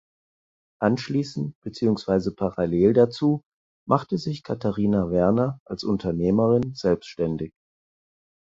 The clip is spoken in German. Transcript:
Anschließend beziehungsweise parallel dazu machte sich Katharina Werner als Unternehmerin selbständig.